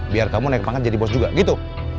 biar kamu naik pangan jadi bos juga gitu